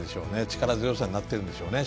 力強さになってるんでしょうね